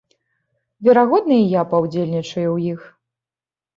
Верагодна, і я паўдзельнічаю ў іх.